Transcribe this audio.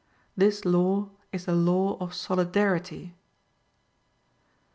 This law is the law of solidarity.